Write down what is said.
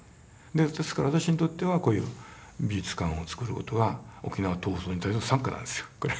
ですから私にとってはこういう美術館をつくる事は沖縄闘争に対する参加なんですよこれ。